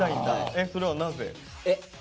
それはなぜ？